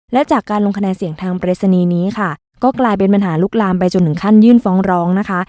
และจากการลงคะแนนเสียงทางปริศนีย์นี้ค่ะก็กลายเป็นปัญหาลุกลามไปจนถึงขั้นยื่นฟ้องร้องนะคะ